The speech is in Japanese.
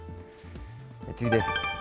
次です。